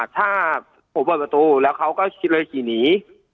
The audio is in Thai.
ถ้าผมเปิดประตูแล้วเขาก็เลยขี่หนี